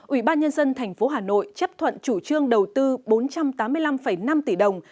ủy ban nhân dân tp hà nội chấp thuận chủ trương đầu tư bốn trăm tám mươi năm năm tỷ đồng